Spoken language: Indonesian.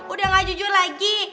udah nggak jujur lagi